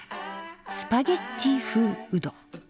「スパゲッティ風うどん」。